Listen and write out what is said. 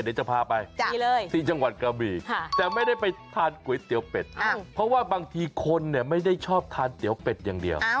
เดี๋ยวจะพาไปที่จังหวัดกระบีแต่ไม่ได้ไปทานก๋วยเตี๋ยวเป็ดเพราะว่าบางทีคนเนี่ยไม่ได้ชอบทานเตี๋ยวเป็ดอย่างเดียว